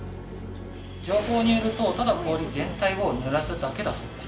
情報によるとただ氷全体を濡らすだけだそうです。